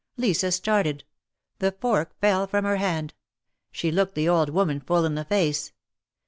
" Lisa started. The fork fell from her hand. She looked the old woman full in the face.